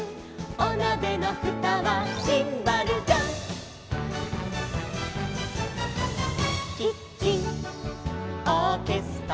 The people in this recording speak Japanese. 「おなべのふたはシンバルジャン」「キッチンオーケストラ」